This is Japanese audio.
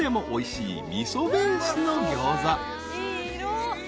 おいしい。